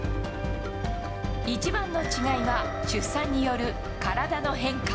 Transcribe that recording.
一番の違いは、出産による体の変化。